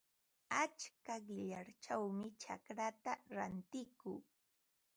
Achka qillayćhawmi chacraata rantikuu.